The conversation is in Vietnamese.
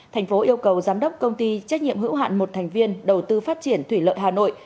thành phố yêu cầu giám đốc công ty trách nhiệm hữu hạn một thành viên đầu tư phát triển thủy lợi hà nội